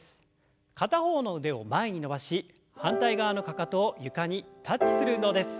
片方の腕を前に伸ばし反対側のかかとを床にタッチする運動です。